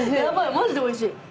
マジでおいしい。